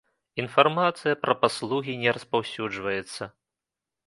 Інфармацыя пра паслугі не распаўсюджваецца.